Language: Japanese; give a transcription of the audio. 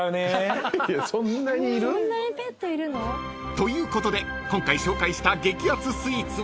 ［ということで今回紹介した激アツスイーツはこちら］